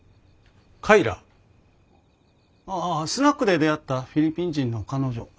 スナックで出会ったフィリピン人の彼女。